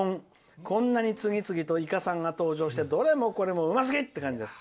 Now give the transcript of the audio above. こんなに次々とイカさんが登場してどれもこれもうますぎって感じです。